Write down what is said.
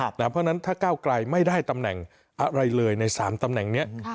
เพราะฉะนั้นถ้าก้าวไกลไม่ได้ตำแหน่งอะไรเลยใน๓ตำแหน่งนี้